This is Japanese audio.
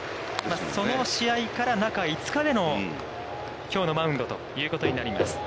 その試合から中５日でのきょうのマウンドということになります。